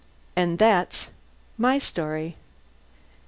And that's my story.